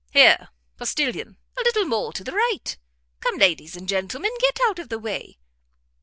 Here, postilion, a little more to the right! come, ladies and gentlemen, get out of the way."